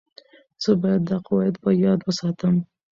زه باید دا قواعد په یاد وساتم.